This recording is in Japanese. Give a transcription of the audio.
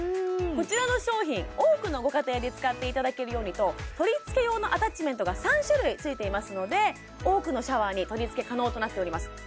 こちらの商品多くのご家庭で使っていただけるようにと取り付け用のアタッチメントが３種類ついていますので多くのシャワーに取り付け可能となっております